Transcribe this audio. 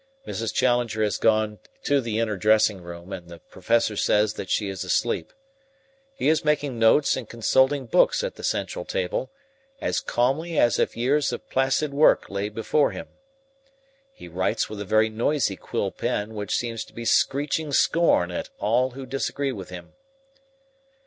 Mrs. Challenger has gone to the inner dressing room, and the Professor says that she is asleep. He is making notes and consulting books at the central table, as calmly as if years of placid work lay before him. He writes with a very noisy quill pen which seems to be screeching scorn at all who disagree with him.